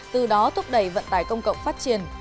từ đó thúc đẩy vận tải công cộng phát triển